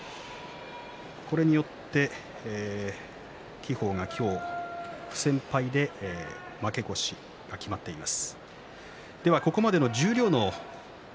これによって輝鵬が不戦敗で負け越しが決まっています。